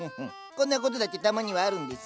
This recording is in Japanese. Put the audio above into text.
こんな事だってたまにはあるんですよ。